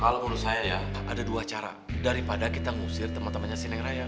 kalau menurut saya ya ada dua cara daripada kita ngusir teman temannya sineng raya